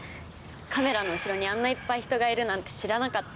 カメラの後ろにあんないっぱい人がいるなんて知らなかった。